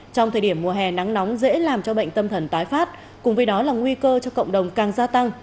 trong thời điểm mùa hè nắng nóng dễ làm cho bệnh tâm thần tái phát cùng với đó là nguy cơ cho cộng đồng càng gia tăng